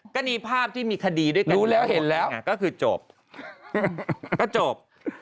ก็นี่ภาพที่มีคดีด้วยกันทั้งหมดก็คือจบก็จบ